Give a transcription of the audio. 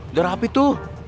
udah rapi tuh